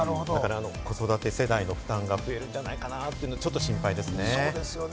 子育て世代の負担が増えるんじゃないかなと、ちょっと心配ですね。